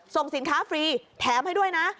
ส่งสินค้าฟรีแถมให้ด้วยนะ